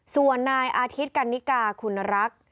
ส่วนนายอาทิตย์กันนิกาคุณรัก